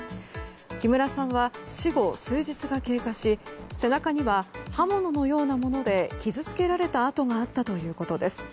木村さんは死後数日が経過し背中には刃物のようなもので傷つけられた痕があったということです。